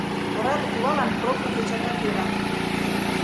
Ораде кувалан пробка печатат йӧра!..